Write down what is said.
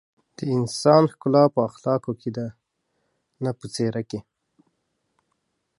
لېږ پاتې دي چې زړه مې ودري.